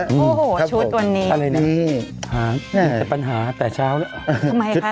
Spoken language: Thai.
โอ้โหชุดวันนี้อะไรนะมีแต่ปัญหาแต่เช้าแล้วทำไมคะ